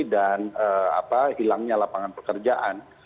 dan hilangnya lapangan pekerjaan